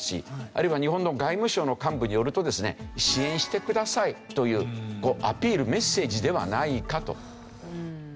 あるいは日本の外務省の幹部によるとですね支援してくださいというアピールメッセージではないかと。